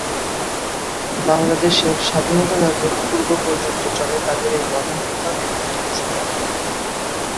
বাংলাদেশের স্বাধীনতা লাভের পূর্ব পর্যন্ত চলে তাদের এই গণহত্যা এবং ধ্বংশজজ্ঞ।